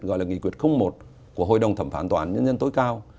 gọi là nghị quyết một của hội đồng thẩm phán tòa án nhân dân tối cao